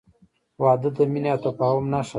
• واده د مینې او تفاهم نښه ده.